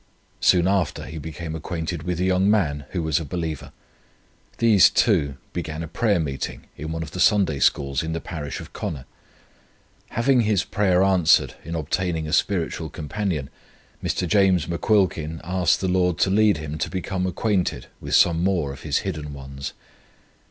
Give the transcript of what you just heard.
Soon after he became acquainted with a young man who was a believer. These two began a prayer meeting in one of the Sunday Schools in the parish of Connor. Having his prayer answered in obtaining a spiritual companion, Mr. James McQuilkin asked the Lord to lead him to become acquainted with some more of His hidden ones.